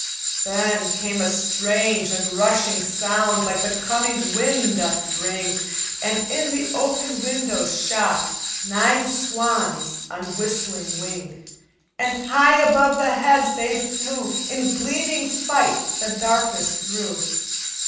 "Then came a strange and rushing sound Like the coming wind doth bring, And in the open windows shot Nine swans on whistling wing, And high above the heads they flew, In gleaming fight the darkness through.